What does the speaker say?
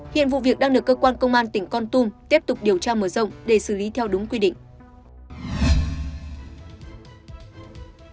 hiện vụ việc đang được cơ quan công an tỉnh con tum tiếp tục điều tra mở rộng để xử lý theo đúng quy định